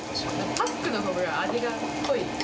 パックのほうが味が濃い。